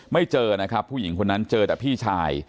ไม่เจอนะครับผู้หญิงคนนั้นเจอแต่พี่ชาย